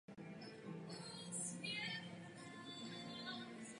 Mnoho lidí bez domova získalo dočasné ubytování v přívěsech.